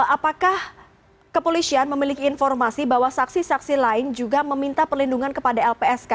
apakah kepolisian memiliki informasi bahwa saksi saksi lain juga meminta perlindungan kepada lpsk